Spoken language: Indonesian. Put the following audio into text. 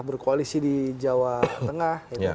berkoalisi di jawa tengah